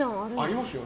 ありますよ。